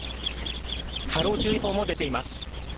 波浪注意報も出ています。